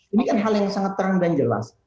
ini kan hal yang sangat terang dan jelas